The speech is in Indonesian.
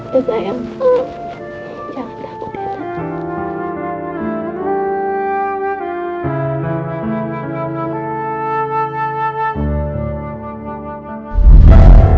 jangan takut el